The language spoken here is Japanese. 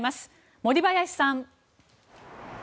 森林さん。